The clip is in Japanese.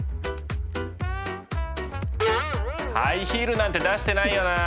ハイヒールなんて出してないよな！